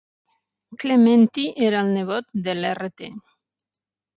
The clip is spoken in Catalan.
Clementi era el nebot del Rt.